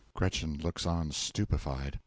(GRETCHEN looks on stupefied.) W.